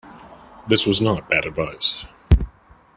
This was not bad advice.